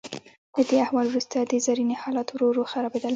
له دې احوال وروسته د زرینې حالات ورو ورو خرابیدل.